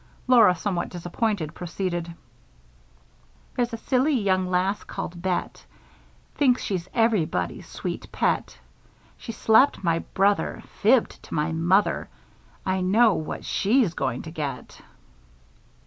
Laura, somewhat disappointed, proceeded: There's a silly young lass called Bet, Thinks she's ev'rybody's sweet pet. She slapped my brother, Fibbed to my mother I know what she's going to get.